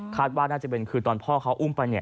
ว่าน่าจะเป็นคือตอนพ่อเขาอุ้มไปเนี่ย